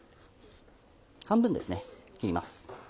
半分ですね切ります。